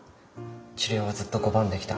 治療はずっと拒んできた。